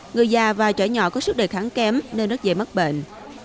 người già và trẻ nhỏ có sức đề kháng kém nên rất dễ mất bệnh